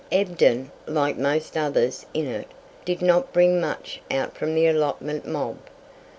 Ebden, like most others in it, did not bring much out from the allotment mob.